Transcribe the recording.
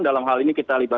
dalam hal ini kita libatkan